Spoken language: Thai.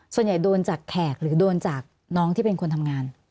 ส่วนใหญ่โดนจากแขกหรือโดนจากน้องที่เป็นคนทำงาน